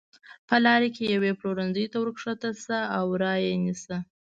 په لاره کې یوې پلورنځۍ ته ورکښته شه او را یې نیسه.